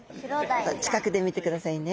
近くで見てくださいね。